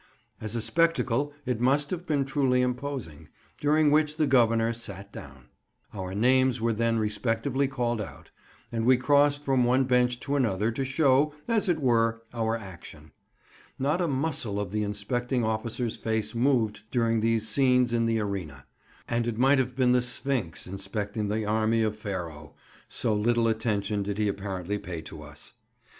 As a spectacle, it must have been truly imposing, during which the Governor sat down. Our names were then respectively called out, and we crossed from one bench to another to show, as it were, our action. Not a muscle of the inspecting officer's face moved during these scenes in the arena; and it might have been the Sphinx inspecting the army of Pharaoh, so little attention did he apparently pay to us.